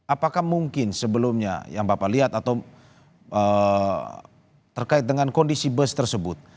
apakah mungkin sebelumnya yang bapak lihat atau terkait dengan kondisi bus tersebut